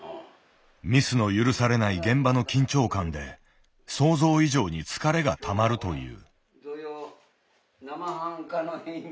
ミスの許されない現場の緊張感で想像以上に疲れがたまるという。